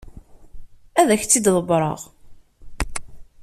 Ad ak-tt-id-ḍebbreɣ.